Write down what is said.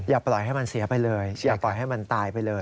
อย่าปล่อยให้มันเสียไปเลยอย่าปล่อยให้มันตายไปเลย